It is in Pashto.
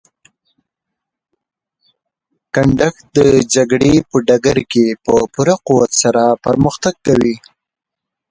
کنډک د جګړې په ډګر کې په پوره قوت سره پرمختګ کوي.